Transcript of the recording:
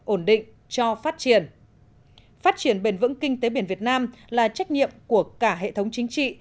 ổn định cho phát triển phát triển bền vững kinh tế biển việt nam là trách nhiệm của cả hệ thống chính trị